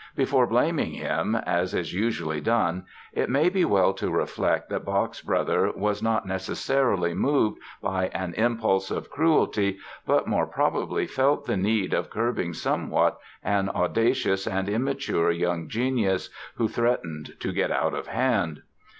Before blaming him, as is usually done, it may be well to reflect that Bach's brother was not necessarily moved by an impulse of cruelty but more probably felt the need of curbing somewhat an audacious and immature young genius, who threatened to get out of hand.